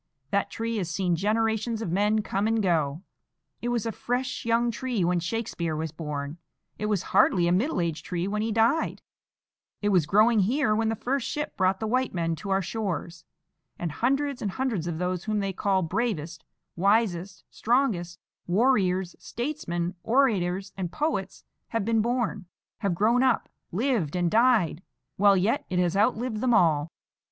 That tree has seen generations of men come and go. It was a fresh young tree when Shakespeare was born; it was hardly a middle aged tree when he died; it was growing here when the first ship brought the white men to our shores, and hundreds and hundreds of those whom they call bravest, wisest, strongest,—warriors, statesmen, orators, and poets,—have been born, have grown up, lived, and died, while yet it has outlived them all.